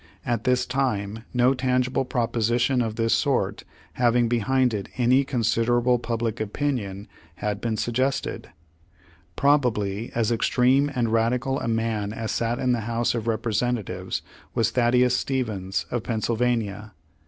At this time no tangible proposition of this sort having behind it any considerable public opinion, had been suggested. Probably as ex treme and radical a man as sat in the House of Representatives, v/as Thaddeus Stevens, of Penn sylvania.